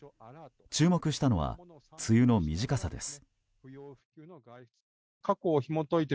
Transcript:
注目したのは梅雨の短さです。